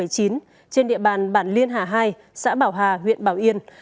trên địa bàn bản liên hà hai xã bảo hà huyện bảo yên